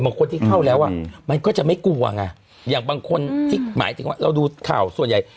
คนที่เข้าแล้วอ่ะมันก็จะไม่กลัวไงอย่างบางคนที่หมายถึงว่าเราดูข่าวส่วนใหญ่